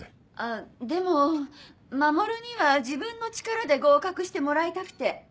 あっでも守には自分の力で合格してもらいたくて。